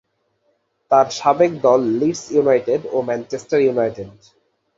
তার সাবেক দল লিডস ইউনাইটেড ও ম্যানচেস্টার ইউনাইটেড।